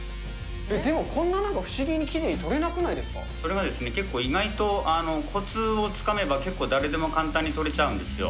でもこんななんか不思議にきそれがですね、結構、意外とこつをつかめば、結構誰でも簡単に撮れちゃうんですよ。